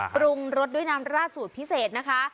ปรุงรสด้วยน้ำราดสูตรพิเศษนะคะ